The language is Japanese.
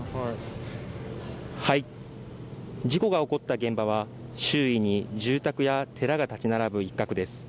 事故が起こった現場は周囲に住宅や寺が建ち並ぶ一角です。